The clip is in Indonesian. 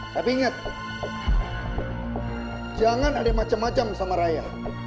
tapi ingat jangan ada macam macam sama raya